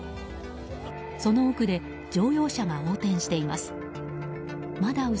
その奥で乗用車が横転しています。